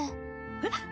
えっ？